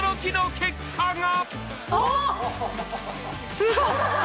すごい！